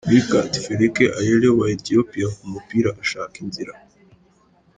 Mirkat Feleke Ayele wa Ethiopia ku mupira ashaka inzira